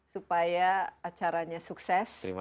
supaya acaranya sukses